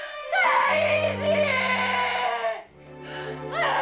ああ！